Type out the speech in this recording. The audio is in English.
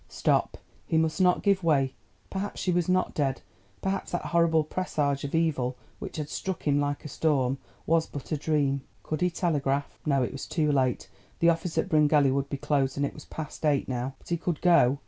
Stop, he must not give way—perhaps she was not dead—perhaps that horrible presage of evil which had struck him like a storm was but a dream. Could he telegraph? No, it was too late; the office at Bryngelly would be closed—it was past eight now. But he could go.